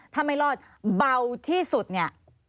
ถ้าไม่รอดเบาที่สุดเนี่ย